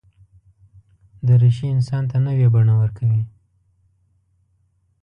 دریشي انسان ته نوې بڼه ورکوي.